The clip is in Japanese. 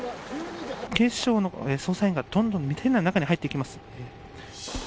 警視庁の捜査員が、どんどん店の中に入っていきます。